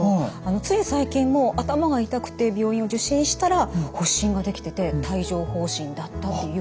つい最近も頭が痛くて病院を受診したら発疹ができてて帯状ほう疹だったっていう友人もいます。